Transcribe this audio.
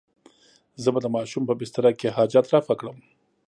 زه به د ماشوم په بستره کې حاجت رفع کړم.